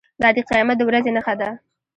دا د قیامت د ورځې نښه ده.